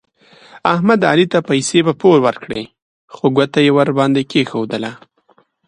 احمد علي ته پیسې په پور ورکړلې خو ګوته یې ور باندې کېښودله.